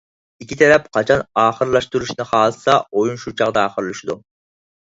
ئىككى تەرەپ قاچان ئاخىرلاشتۇرۇشنى خالىسا، ئويۇن شۇ چاغدا ئاخىرلىشىدۇ.